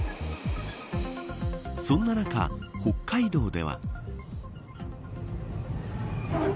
そんな中、北海道では。